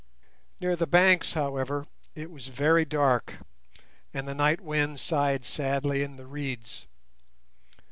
Near the banks, however, it was very dark, and the night wind sighed sadly in the reeds.